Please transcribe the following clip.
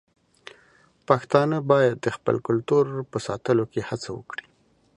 پښتانه بايد د خپل کلتور په ساتلو کې هڅه وکړي.